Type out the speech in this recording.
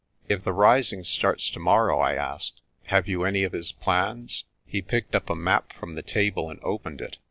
"If the rising starts tomorrow," I asked, "have you any of his plans?" He picked up a map from the table and opened it.